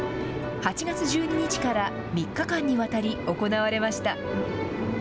８月１２日から３日間にわたり、行われました。